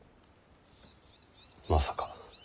まさか。